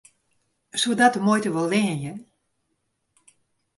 Soe dat de muoite wol leanje?